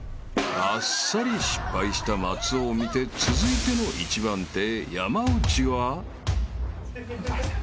［あっさり失敗した松尾を見て続いての１番手山内は］